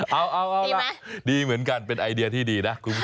เอาดีเหมือนกันเป็นไอเดียที่ดีนะ